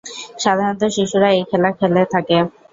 সাধারনত শিশুরা এই খেলা খেলে থাকে।